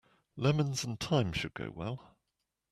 Lemons and thyme should go well.